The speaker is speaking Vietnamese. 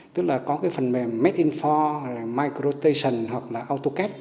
tức là có phần mềm medinfo microtation hoặc autocad